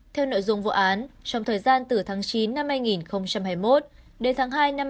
theo nội dung vụ án trong thời gian từ tháng chín năm hai nghìn hai mươi một đến tháng hai năm hai nghìn hai mươi